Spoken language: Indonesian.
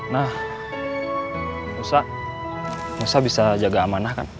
nah musa musa bisa jaga amanah kan